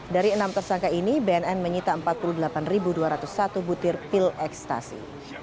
dari enam tersangka ini bnn menyita empat puluh delapan dua ratus satu butir pil ekstasi